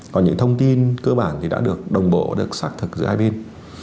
còn những thông tin cơ bản thì đã được đồng bộ được xác thực giữa hai bên